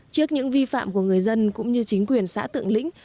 trước những vi phạm của người dân cũng như chính quyền xã tượng lĩnh